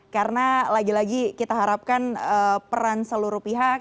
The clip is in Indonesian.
karena lagi lagi kita harapkan peran seluruh pihak